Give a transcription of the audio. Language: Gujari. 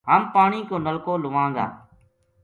ہم پانی کو نلکو لواں گا